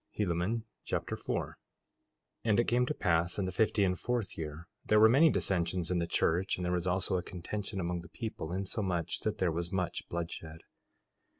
Helaman Chapter 4 4:1 And it came to pass in the fifty and fourth year there were many dissensions in the church, and there was also a contention among the people, insomuch that there was much bloodshed.